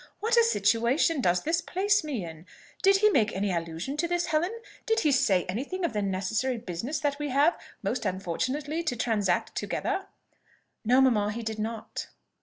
What a situation does this place me in! Did he make any allusion to this, Helen? did he say any thing of the necessary business that we have, most unfortunately, to transact together?" "No, mamma, he did not."